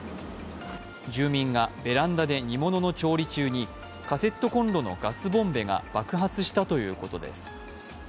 住民がベランダで煮物の調理中にカセットこんろのガスボンベが爆発したということです。